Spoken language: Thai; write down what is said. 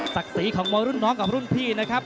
สีของมวยรุ่นน้องกับรุ่นพี่นะครับ